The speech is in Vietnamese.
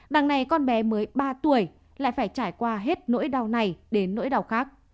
đằng này con bé mới ba tuổi lại phải trải qua hết nỗi đau này đến nỗi đau khác